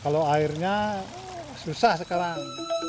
kalau airnya susah sekarang